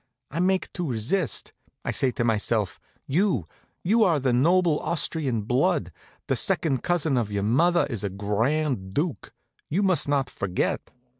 I make to resist. I say to myself: 'You! You are of the noble Austrian blood; the second cousin of your mother is a grand duke; you must not forget.'